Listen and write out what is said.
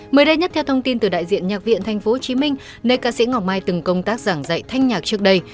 mới đây nhất theo thông tin từ đại diện nhạc viện tp hcm nơi ca sĩ ngọc mai từng công tác giảng dạy thanh nhạc trước đây